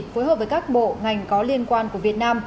phối hợp với các bộ ngành có liên quan của việt nam